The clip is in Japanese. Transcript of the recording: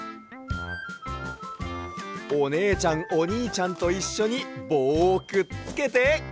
おねえちゃんおにいちゃんといっしょにぼうをくっつけて。